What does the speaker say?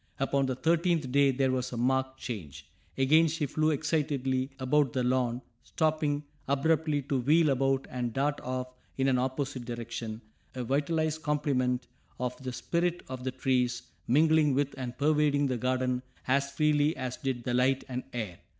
Upon the thirteenth day there was a marked change. Again she flew excitedly about the lawn, stopping abruptly to wheel about and dart off in an opposite direction, a vitalized complement of the spirit of the trees, mingling with and pervading the garden as freely as did the light and air.